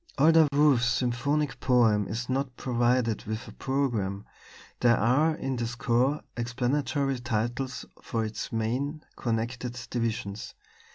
Although Wolf's symphonic poem is not provided with a programme, there are in the score explanatory titles for its main (connected) divisions.